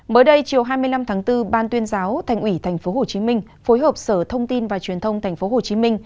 mới đây chiều hai mươi năm tháng bốn ban tuyên giáo thành ủy tp hcm phối hợp sở thông tin và truyền thông tp hcm